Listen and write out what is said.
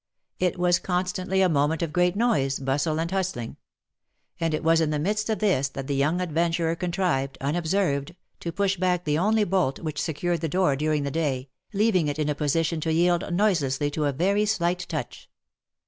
It was constantly a moment of great noise, bustle, and hustling; and it was in the midst of this that the young adventurer contrived, unobserved, to push back the only bolt which secured the door during the day, leaving it in a position to yield noiselessly to a very slight touch.